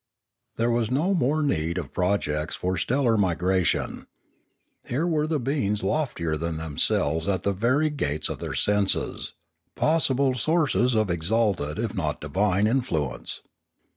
There was no more need of projects for stellar migra tion. Here were beings loftier than themselves at the very gates of their senses, possible sources of exalted, if not divine, influence.